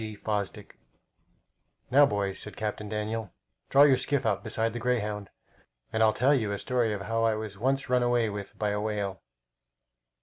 G. Fosdick "Now, boys," said Captain Daniel, "draw your skiff up beside the Greyhound, and I'll tell you a story of how I was once run away with by a whale."